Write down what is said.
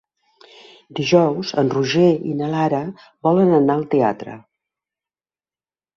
Dijous en Roger i na Lara volen anar al teatre.